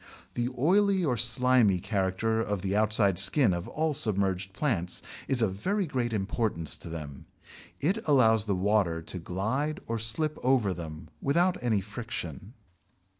The oily or slimy character of the outside skin of all submerged plants is of very great importance to them. It allows the water to glide or slip over them without any friction.